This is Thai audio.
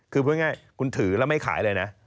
คือพูดง่ายคุณถือแล้วไม่ขายเลยนะ